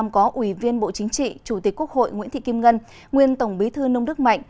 chủ tịch quốc hội nguyễn thị kim ngân nguyên tổng bí thư nông đức mạnh